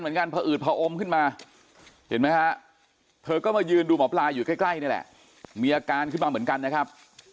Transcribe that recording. ผอืดพออมขึ้นมาเห็นไหมฮะเธอก็มายืนดูหมอปลาอยู่ใกล้นี่แหละมีอาการขึ้นมาเหมือนกันนะครับ